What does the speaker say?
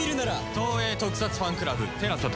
東映特撮ファンクラブＴＥＬＡＳＡで。